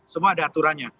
semua ada aturannya